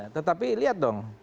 tetapi lihat dong